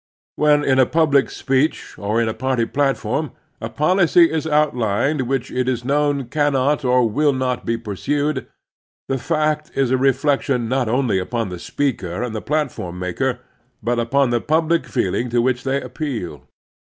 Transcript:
When in a public speech or in a party platform a policy is outlined which it is known cannot or will not be pursued, the fact is a reflection not only upon the speaker and the platform maker, but upon the public feeling to which they appeal.